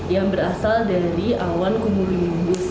yang berasal dari awan kumurimus